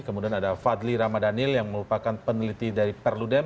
kemudian ada fadli ramadhanil yang merupakan peneliti dari perludem